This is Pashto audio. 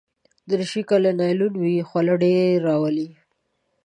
دریشي که له نایلون وي، خوله ډېره راولي.